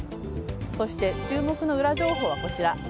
そして、注目のウラ情報はこちら。